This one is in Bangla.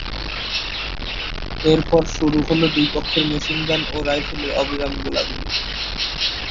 এরপর শুরু হলো দুই পক্ষের মেশিনগান ও রাইফেলের অবিরাম গোলাগুলি।